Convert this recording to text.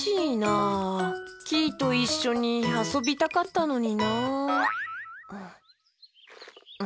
キイといっしょにあそびたかったのになあ。